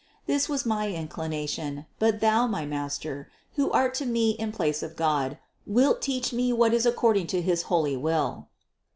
This was my in clination, but thou, my master, who art to me in place of God, wilt teach me what is according to his holy Will."